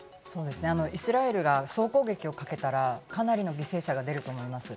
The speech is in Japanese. イスラエルが総攻撃をかけたらかなりの犠牲者が出ると思います。